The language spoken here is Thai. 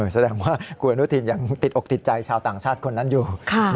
แสดงว่าคุณอนุทินยังติดอกติดใจชาวต่างชาติคนนั้นอยู่